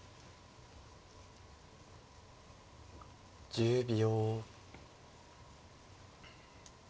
１０秒。